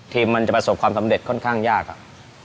มันจะประสบความสำเร็จค่อนข้างยากอะ